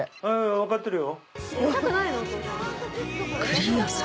分かってるよ。